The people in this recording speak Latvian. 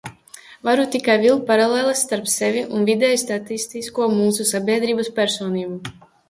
Varu tikai vilkt paralēles starp sevi un vidēji statistisko mūsu sabiedrības personību.